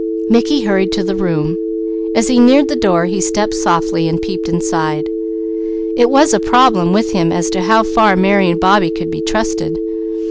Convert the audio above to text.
Mickey hurried to the room. As he neared the door he stepped softly and peeped inside. It was a problem with him as to how far Mary and Bobbie could be trusted.